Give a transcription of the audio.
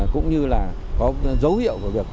cũng như là có dấu hiệu của việc tẩy